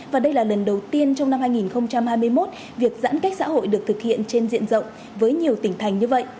và đây là lần đầu tiên trong năm hai nghìn hai mươi một việc giãn cách xã hội được thực hiện trên diện rộng với nhiều tỉnh thành như vậy